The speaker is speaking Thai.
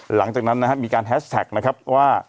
หลังจากนั้นนะครับมีการแฮชแท็กนะครับว่า